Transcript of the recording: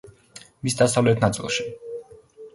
მის დასავლეთ ნაწილში.